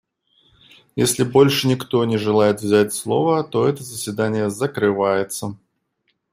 Если больше никто не желает взять слово, то это заседание закрывается.